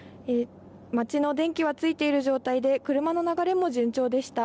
町の電気はついている状態で車の流れも順調でした。